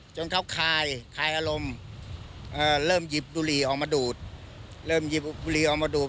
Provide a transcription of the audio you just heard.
จนเขาคายอารมณ์เริ่มหยิบดุรีออกมาดูด